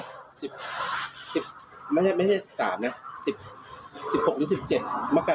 มักกะลาที่ผมซื้อตู้น่ะ